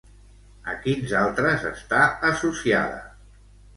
A quins altres està associada?